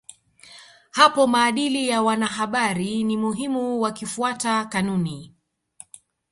Hapo maadili ya wanahabari ni muhimu wakifuata kanuni